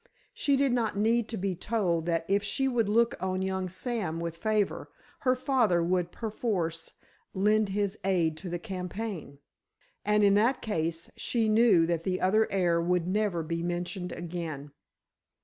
She did not need to be told that if she would look on young Sam with favor, her father would perforce lend his aid to the campaign. And, in that case, she knew that the other heir would never be mentioned again.